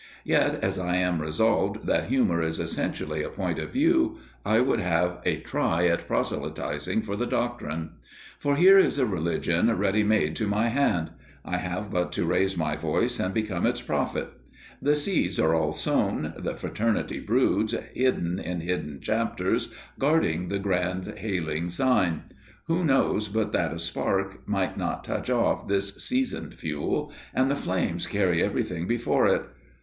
Yet, as I am resolved that humour is essentially a point of view, I would have a try at proselytizing for the doctrine. For here is a religion ready made to my hand; I have but to raise my voice and become its prophet. The seeds are all sown, the Fraternity broods, hidden in hidden Chapters, guarding the Grand Hailing Sign; who knows but that a spark might not touch off this seasoned fuel, and the flame carry everything before it.